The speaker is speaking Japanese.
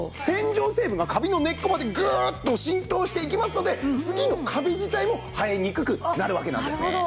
洗浄成分がカビの根っこまでグーッと浸透していきますので次のカビ自体も生えにくくなるわけなんですね。